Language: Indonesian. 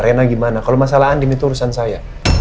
rena gimana kalau masalah adem itu urusan saya